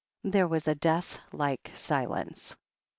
There was a death like silence.